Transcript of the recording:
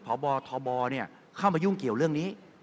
พบทบเข้ามายุ่งเกี่ยวเรื่องนี้